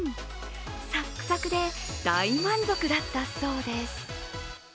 サクサクで大満足だったそうです。